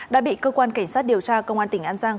đã bị cơ quan cảnh sát điều tra công an tỉnh an giang